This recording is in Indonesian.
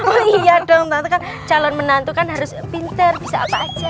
oh iya dong ternyata kan calon menantu kan harus pinter bisa apa aja